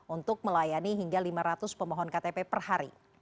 untuk melayani hingga lima ratus pemohon ktp per hari